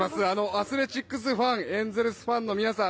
アスレチックスファンエンゼルスファンの皆さん